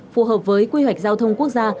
phù hợp với quy hoạch giao thông quốc gia